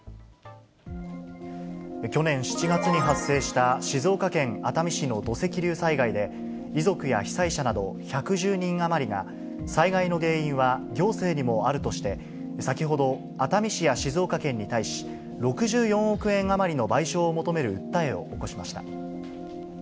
去年７月に発生した静岡県熱海市の土石流災害で、遺族や被災者など１１０人余りが、災害の原因は行政にもあるとして、先ほど、熱海市や静岡県に対し、６４億円余りの賠償を求める訴えを起こしました。